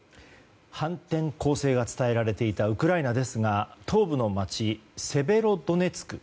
反転攻勢が伝えられていたウクライナですが東部の街セベロドネツク